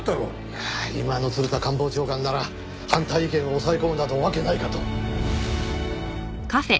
いやあ今の鶴田官房長官なら反対意見を抑え込むなどわけないかと。